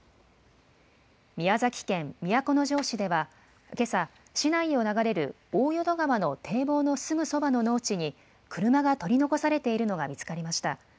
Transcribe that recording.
宮崎県都城市ではけさ、市内を流れる大淀川の堤防のすぐそばの農地に、車が取り残されているのが見つかりました。